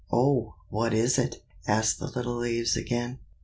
oh, what is it?" asked the little leaves again.